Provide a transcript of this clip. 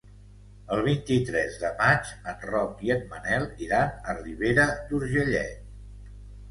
El vint-i-tres de maig en Roc i en Manel iran a Ribera d'Urgellet.